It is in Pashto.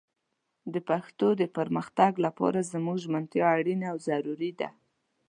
د پښتو د پرمختګ لپاره زموږ ژمنتيا اړينه او ضروري ده